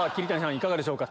いかがでしょうか？